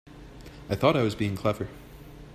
I thought I was being clever.